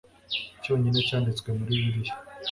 cyonyine cyanditswe muri bibiliya